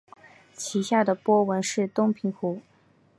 其下的波纹是东平湖。